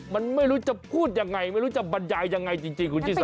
ไม่รู้จะพูดอย่างไรไม่รู้จะบรรยายอย่างไรจริงคุณชิสา